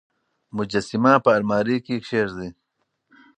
مجسمه په المارۍ کې کېږدئ.